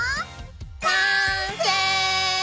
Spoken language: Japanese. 完成！